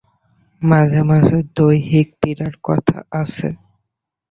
মাঝে মাঝে দৈহিক পীড়ার কথা আছে।